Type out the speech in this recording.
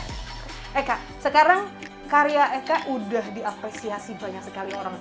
eka sekarang karya eka udah diapresiasi banyak sekali orang